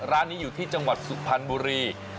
ร้านนี้อยู่ที่จังหวัดสุพรรณบุรี